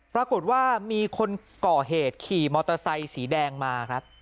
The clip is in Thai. ปรากฏว่ามีคนก่อเหตุขี่มอเตอร์ไซค์สีแดงมาครับ